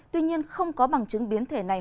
tuy nhiên không có bằng chứng biến thể này